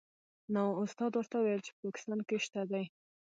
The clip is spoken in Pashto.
نو استاد ورته وویل چې په پاکستان کې شته دې.